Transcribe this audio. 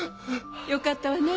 ・よかったわね